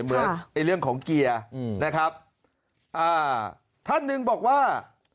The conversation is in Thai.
เหมือนไอ้เรื่องของเกียร์นะครับอ่าท่านหนึ่งบอกว่า